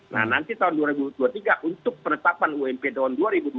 nah nanti tahun dua ribu dua puluh tiga untuk penetapan ump tahun dua ribu dua puluh